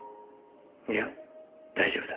いや大丈夫だ。